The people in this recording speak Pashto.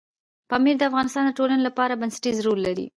پامیر د افغانستان د ټولنې لپاره بنسټيز رول لري.